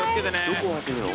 どこを走んの？